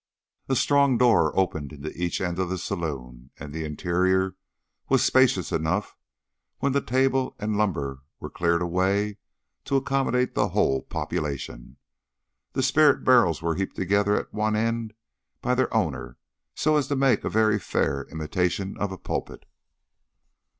A strong door opened into each end of the saloon, and the interior was spacious enough, when the table and lumber were cleared away, to accommodate the whole population. The spirit barrels were heaped together at one end by their owner, so as to make a very fair imitation of a pulpit.